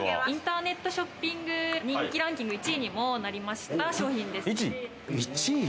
インターネットショッピングで人気ランキング１位にもなりました商品です。